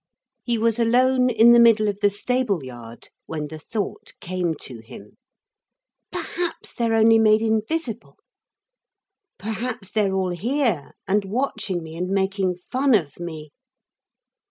He was alone in the middle of the stable yard when the thought came to him. 'Perhaps they're only made invisible. Perhaps they're all here and watching me and making fun of me.'